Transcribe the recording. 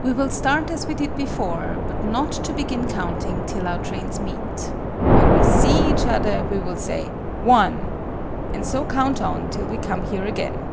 We will start as we did before, but not to begin counting till our trains meet. When we see each other, we will say 'One!' and so count on till we come here again."